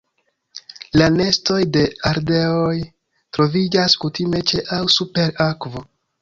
La nestoj de ardeoj troviĝas kutime ĉe aŭ super akvo.